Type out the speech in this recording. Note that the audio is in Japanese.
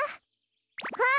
あっ！